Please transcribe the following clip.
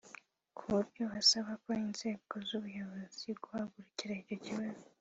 ku buryo basaba ko inzego z’ubuyobozi guhagurukira icyo kibazo